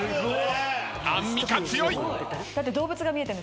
アンミカ強い！